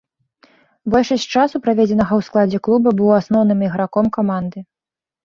Большасць часу, праведзенага ў складзе клуба быў асноўным іграком каманды.